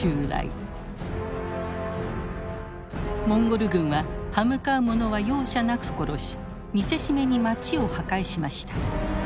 モンゴル軍は刃向かうものは容赦なく殺し見せしめに街を破壊しました。